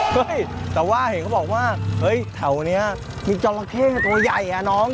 เฮ้ยแต่ว่าเห็นเขาบอกว่าเฮ้ยแถวนี้มีจราเข้ตัวใหญ่อ่ะน้อง